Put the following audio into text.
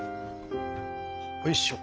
おいしょ。